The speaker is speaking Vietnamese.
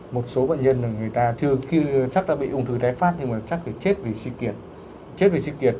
một số bệnh nhân người ta chứ chắc đã bị ung thư tế phát nhưng mà chắc chết vì suy kiệt